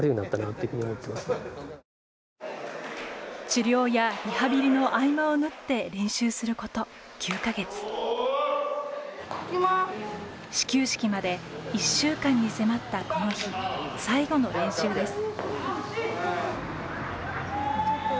治療やリハビリの合間を縫って練習すること９か月始球式まで１週間に迫ったこの日最後の練習です。